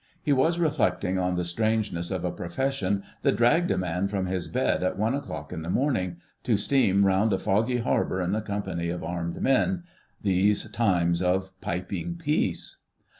He was reflecting on the strangeness of a profession that dragged a man from his bed at one o'clock in the morning, to steam round a foggy harbour in the company of armed men, these times of piping peace.